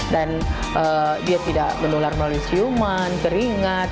dan dia tidak menular melalui siuman keringat